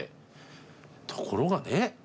ところがねえ